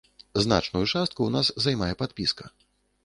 Значную частку ў нас займае падпіска.